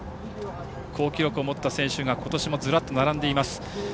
好記録を持った選手が今年もずらっと並んでいます。